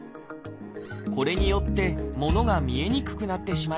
これによって物が見えにくくなってしまいます。